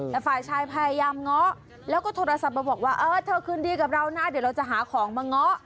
แต่ฝ่ายชายพยายามง้อแล้วก็โทรศัพท์มาบอกว่าเออเธอคืนดีกับเรานะเดี๋ยวเราจะหาของมาเงาะ